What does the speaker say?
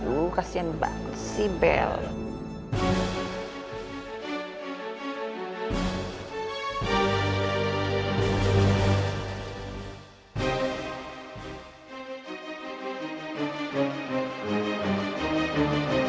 oh kasihan banget si belle